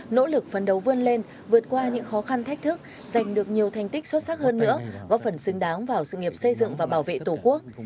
nỗ lực phấn đấu vươn lên vượt qua những khó khăn thách thức giành được nhiều thành tích xuất sắc hơn nữa góp phần xứng đáng vào sự nghiệp xây dựng và bảo vệ tổ quốc